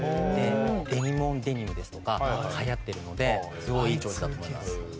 デニムオンデニムですとか流行ってるのですごいいいチョイスだと思います。